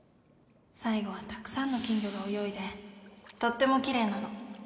最後はたくさんの金魚が泳いでとっても奇麗なの